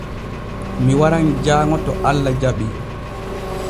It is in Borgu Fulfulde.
Mi waran jaaŋo to Allah jaɓii.